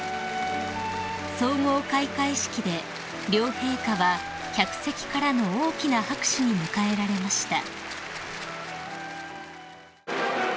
［総合開会式で両陛下は客席からの大きな拍手に迎えられました］